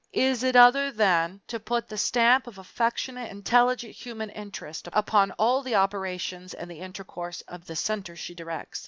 Is it other than to put the stamp of affectionate, intelligent human interest upon all the operations and the intercourse of the center she directs?